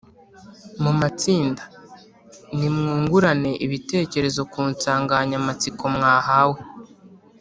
mu matsinda, nimwungurane ibitekerezo ku nsanganyamatsiko mwahawe